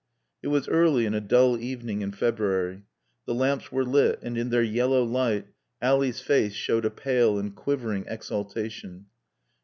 It was early in a dull evening in February. The lamps were lit and in their yellow light Ally's face showed a pale and quivering exaltation.